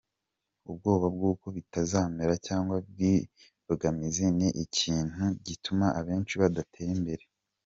Ubwoba bw’uko bitazemera cyangwa bw’imbogamizi ni ikintu gituma abenshi badatera imbere.